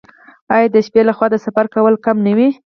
آیا د شپې لخوا د سفر کول کم نه وي؟